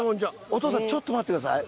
おとうさんちょっと待ってください。